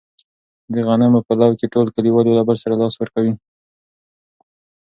د غنمو په لو کې ټول کلیوال یو له بل سره لاس ورکوي.